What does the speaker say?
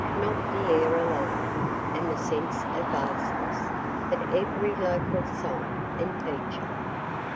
not the air alone, and the sense of vastness, but every local sight and feature.